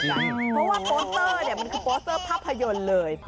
เพราะว่าโปรเซอร์เนี่ยมันคือโปรเซอร์ภาพยนต์เลย